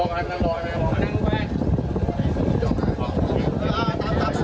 สวัสดีครับสวัสดีครับ